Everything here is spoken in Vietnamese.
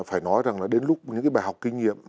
phải nói rằng là đến lúc những cái bài học kinh nghiệm